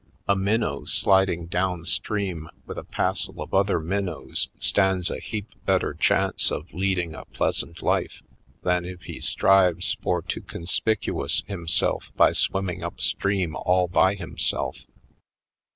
A minnow sliding down stream with a passel of other minnows 152 /. PoindexteVj Colored stands a heap better chance of leading a pleasant life than if he strives for to con spicious himself by swimming upstream all by himself.